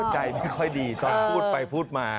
ใจไม่ค่อยดีตอนพูดไปพูดมา